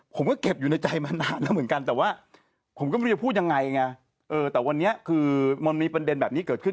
ผมก็เก็บอยู่ในใจมานานแล้วเหมือนกันแต่ว่าผมก็ไม่รู้จะพูดยังไงไงแต่วันนี้คือมันมีประเด็นแบบนี้เกิดขึ้น